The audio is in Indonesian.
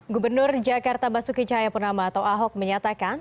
gubernur jakarta basuki cahaya purnama atau ahok menyatakan